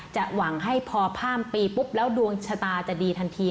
หวังให้พอข้ามปีปุ๊บแล้วดวงชะตาจะดีทันที